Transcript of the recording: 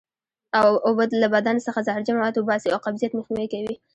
اوبه له بدن څخه زهرجن مواد وباسي او قبضیت مخنیوی کوي